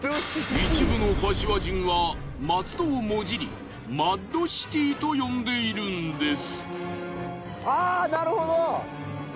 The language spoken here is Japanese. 一部の柏人は松戸をもじりマッドシティと呼んでいるんです。